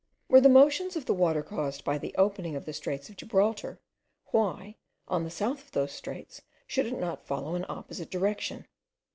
Were the motion of the waters caused by the opening at the straits of Gibraltar, why, on the south of those straits, should it not follow an opposite direction?